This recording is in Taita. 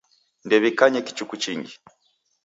Ndew'ikanye kichuku chingi.